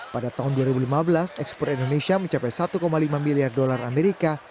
pada tahun dua ribu lima belas ekspor indonesia mencapai satu lima miliar dolar amerika